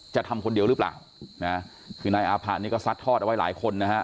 จะทำคนเดียวหรือเปล่านะคือนายอาผะนี่ก็ซัดทอดเอาไว้หลายคนนะฮะ